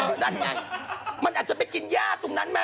มันอาจจะไปกินย่าตรงนั้นนะ